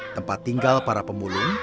tempat tinggal para pemulung